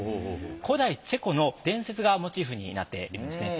古代チェコの伝説がモチーフになっているんですね。